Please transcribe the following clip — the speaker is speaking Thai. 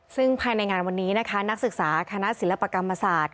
ซึ่งภายในงานวันนี้นะคะนักศึกษาคณะศิลปกรรมศาสตร์